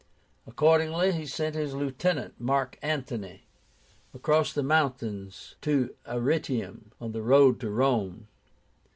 Accordingly he sent his lieutenant, Mark Antony, across the mountains to Arretium, on the road to Rome.